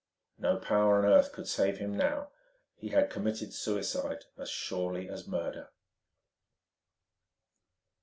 No power on earth could save him now: he had committed suicide as surely as murder.